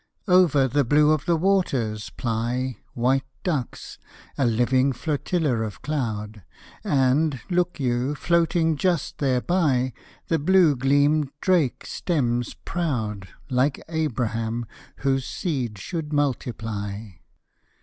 Over the blue of the waters ply White ducks, a living flotilla of cloud; And, look you, floating just thereby, The blue gleamed drake stems proud Like Abraham, whose seed should multiply.